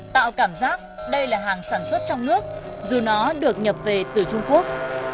tạo cảm giác đây là hàng sản xuất trong nước dù nó được nhập về từ trung quốc